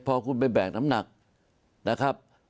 พอคุณไปแบกน้ำหนักนะครับ